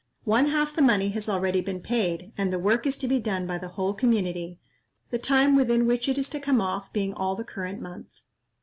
One half the money has already been paid, and the work is to be done by the whole community, the time within which it is to come off being all the current month.